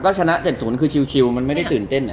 ก็ชนะ๗๐คือชิลมันไม่ได้ตื่นเต้น